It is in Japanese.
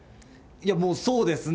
もうそうですね。